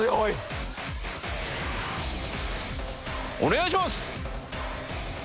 お願いします。